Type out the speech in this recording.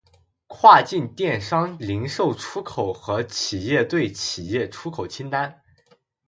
跨境电商零售出口和企业对企业出口清单